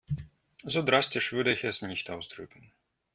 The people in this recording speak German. So drastisch würde ich es nicht ausdrücken.